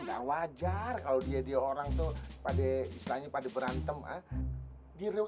nggak wajar kalau dia orang tuh pada misalnya pada berantem ha